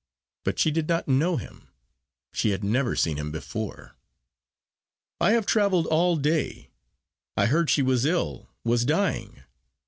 But she did not know him; she had never seen him before. "I have travelled all day. I heard she was ill was dying.